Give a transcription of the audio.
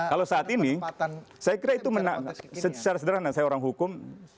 kalau saat ini saya kira itu secara sederhana saya orang hukum